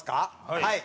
はい。